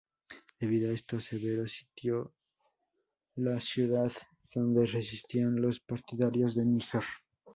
Debido a esto, Severo sitió la ciudad, donde resistían los partidarios de Níger.